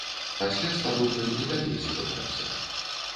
Пасля з падобным і далей сутыкаўся.